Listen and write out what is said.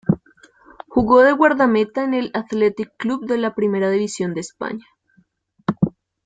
Jugó de guardameta en el Athletic Club de la Primera División de España.